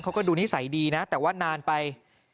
เขาก็ดูนิสัยดีนะแต่ว่านานไป